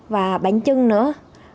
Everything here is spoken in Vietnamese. và bánh chưng nữa